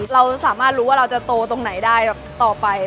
เราสามารถรู้ว่าเราจะโตตรงไหนได้แบบต่อไป